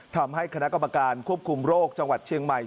ทำให้คณะกรรมการควบคุมโรคจังหวัดเชียงใหม่